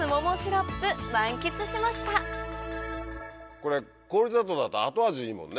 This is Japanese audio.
これ氷砂糖だと後味いいもんね。